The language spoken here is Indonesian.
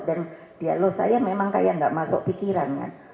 dan dialog saya memang kayak gak masuk pikiran kan